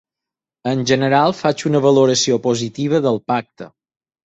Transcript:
En general, faig una valoració positiva del pacte.